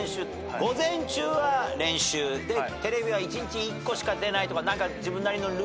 午前中は練習テレビは一日一個しか出ないとか。